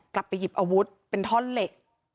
กลับไปหยิบอาวุธเป็นท่อนเหล็ก